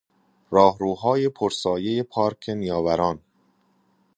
راهروهای پر سایهی پارک نیاوران